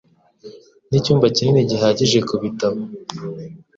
Nicyumba kinini gihagije kubitabo.